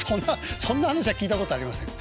そんな話は聞いたことありません。